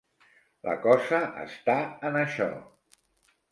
La cosa està en això.